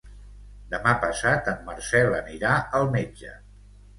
Demà passat en Marcel anirà al metge.